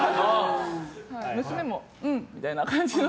娘もうんみたいな感じの。